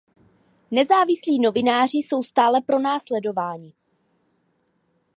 Nezávislí novináři jsou stále pronásledováni.